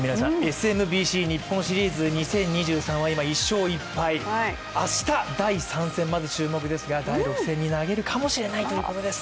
ＳＭＢＣ日本シリーズは今、１勝１敗、明日第３戦、注目ですが第６戦に投げるかもしれないということです。